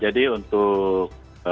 jadi untuk perhubungan